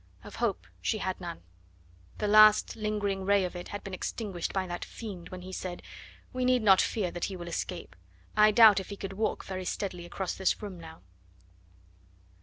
Of hope she had none. The last lingering ray of it had been extinguished by that fiend when he said, "We need not fear that he will escape. I doubt if he could walk very steadily across this room now."